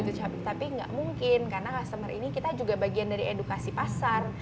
tapi nggak mungkin karena customer ini kita juga bagian dari edukasi pasar